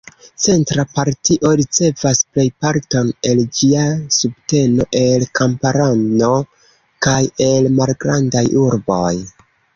Centra partio ricevas plejparton el ĝia subteno el kamparano kaj el malgrandaj urboj.